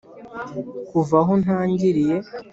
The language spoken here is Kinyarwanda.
kuva aho ntangiriye,